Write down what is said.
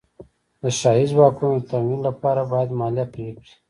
د شاهي ځواکونو د تمویل لپاره باید مالیه پرې کړي.